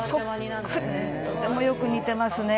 とてもよく似てますね。